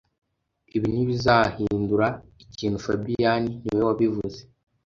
Ibi ntibizahindura ikintu fabien niwe wabivuze